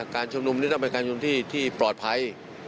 การชุมนุมนี้ต้องเป็นการชุมนุมที่ปลอดภัย